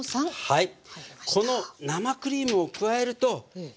はい。